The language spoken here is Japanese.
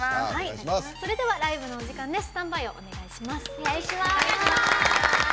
それではライブのお時間です。